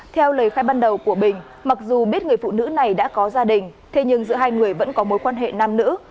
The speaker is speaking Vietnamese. theo lời khai ban đầu của bình mặc dù biết người phụ nữ này đã có gia đình thế nhưng giữa hai người vẫn có mối quan hệ nam nữ